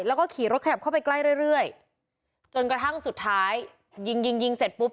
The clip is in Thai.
แล้วก็ขี่รถขยับเข้าไปใกล้เรื่อยจนกระทั่งสุดท้ายยิงยิงยิงเสร็จปุ๊บ